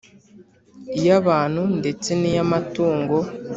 , iy’abantu ndetse n’iy’amatungo